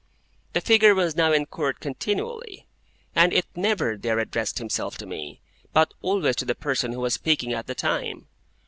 The figure was now in Court continually, and it never there addressed itself to me, but always to the person who was speaking at the time.